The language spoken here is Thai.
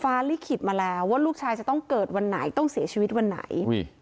ลิขิตมาแล้วว่าลูกชายจะต้องเกิดวันไหนต้องเสียชีวิตวันไหน